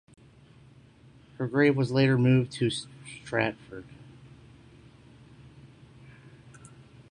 Her grave was later moved to Stratford.